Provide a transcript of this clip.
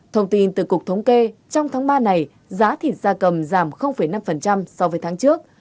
thông tin từ cục thống kê trong tháng ba này giá thịt da cầm giảm năm so với tháng trước